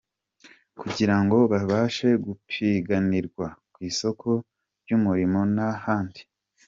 kugira ngo babashe gupiganirwa ku isoko ry’umurimo n’ahandi.